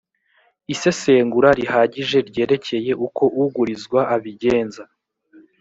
isesengura rihagije ryerekeye uko ugurizwa abigenza